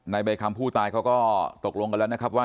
ใบคำผู้ตายเขาก็ตกลงกันแล้วนะครับว่า